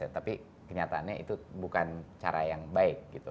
tapi kenyataannya itu bukan cara yang baik gitu